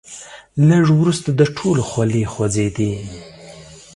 لږ وروسته د ټولو خولې خوځېدې.